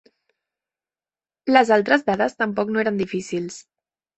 Les altres dades tampoc no eren difícils.